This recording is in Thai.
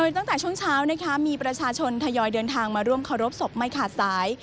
ตั้งแต่ช่วงเช้านะคะมีประชาชนทยอยเดินทางมาร่วมเคารพศพไม่ขาดสาย